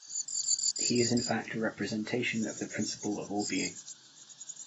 He is in fact, a representation of the principle of all being.